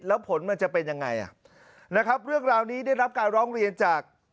แล้วผลมันจะเป็นยังไงอ่ะนะครับเรื่องราวนี้ได้รับการร้องเรียนจาก